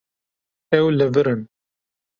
Ew li vir in.